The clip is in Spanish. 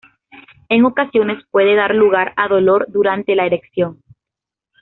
En ocasiones puede dar lugar a dolor durante la erección.